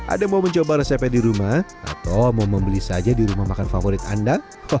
ada mau mencoba resepnya di rumah atau mau membeli saja di rumah makan favorit anda